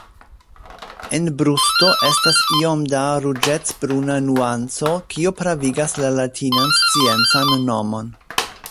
En brusto estas iom da ruĝecbruna nuanco, kio pravigas la latinan sciencan nomon.